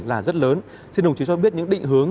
là rất lớn xin đồng chí cho biết những định hướng